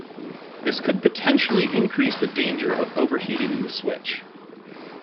This could potentially increase the danger of overheating in the switch.